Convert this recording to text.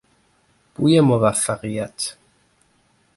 بوی موفقیت